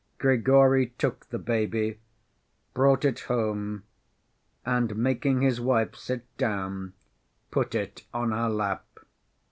Grigory took the baby, brought it home, and making his wife sit down, put it on her lap.